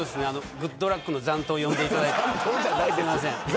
グッとラック！の残党を呼んでいただいて。